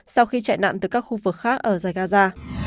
sau khi chạy nạn từ các khu vực khác ở giải gaza